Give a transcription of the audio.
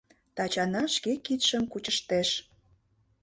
— Тачана шке кидшым кучыштеш.